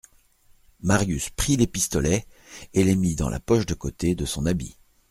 Marius prit les pistolets et les mit dans la poche de côté de son habit.